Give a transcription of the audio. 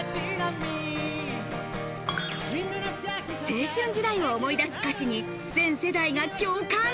青春時代を思い出す歌詞に、全世代が共感。